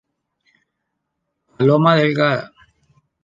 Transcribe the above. Paloma delgada.